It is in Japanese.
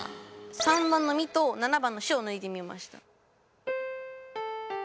３番のミと７番のシを抜いてみました。